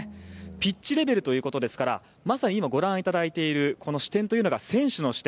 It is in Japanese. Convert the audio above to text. ピッチレベルということですからまさに今、ご覧になっているこの視点というのが選手の視点